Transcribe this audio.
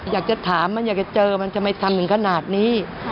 อยากจะถามมันอยากจะเจอมันทำไมทำถึงขนาดนี้